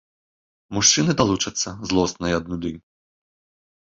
Мужчыны далучацца, злосныя ад нуды.